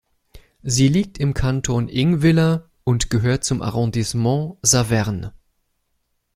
Sie liegt im Kanton Ingwiller und gehört zum Arrondissement Saverne.